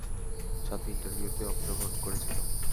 সাথে ইন্টারভিউতে অংশগ্রহণ করেছিল।